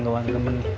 nggak uang gemen nih